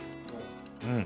うん。